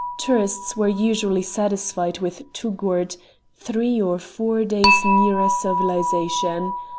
Tourists were usually satisfied with Touggourt, three or four days nearer civilisation.